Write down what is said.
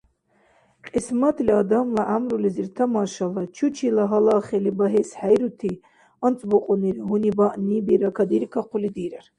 Кьисматли адамла гӀямрулизир тамашала, чучила гьалахили багьес хӀейрути анцӀбукьунира гьунибаънибира кадиркахъули дирар.